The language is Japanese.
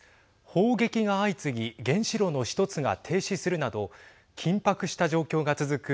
砲撃が相次ぎ原子炉の１つが停止するなど緊迫した状況が続く